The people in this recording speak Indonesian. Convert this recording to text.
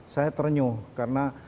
saya ternyuh karena